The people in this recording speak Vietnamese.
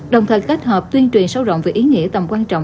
đồng thời kết hợp tuyên truyền sâu rộng về ý nghĩa tầm quan trọng